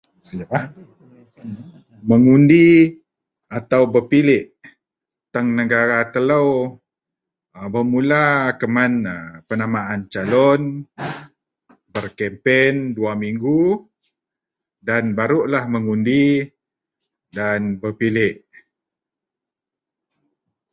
sekejap ah.. mengundi atau berpiliek tan negara telou, bermula kuman a penamaan calon, berkempen dua mingu dan barulah mengundi dan berpilek